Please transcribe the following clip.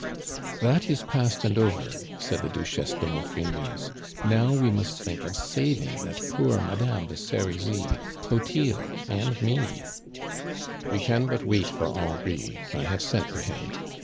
"That is past and over," said the Duchesse de Maufrigneuse. "Now we must think of saving that poor Madame de Serizy, Clotilde, and me " "We can but wait for Henri; I have sent to him.